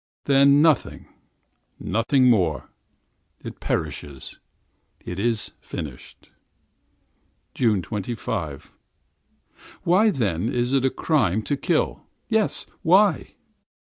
Then nothing—nothing more. It perishes, it is finished. 26th June. Why then is it a crime to kill? Yes, why?